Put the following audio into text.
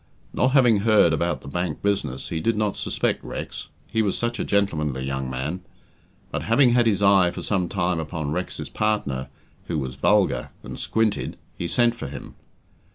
Not having heard about the bank business, he did not suspect Rex he was such a gentlemanly young man but having had his eye for some time upon Rex's partner, who was vulgar, and squinted, he sent for him.